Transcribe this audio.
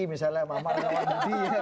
misalnya emak emak relawan budi